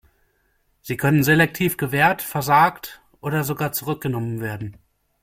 Sie können selektiv gewährt, versagt oder sogar zurückgenommen werden.